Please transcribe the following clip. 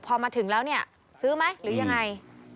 พอมาถึงแล้วเนี่ยซื้อไหมหรือยังไง